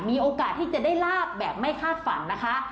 มีโอกาสที่จะได้ลาบแบบไม่คาดฝันนะคะ